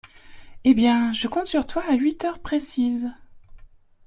Eh bien, je compte sur toi à huit heures précises…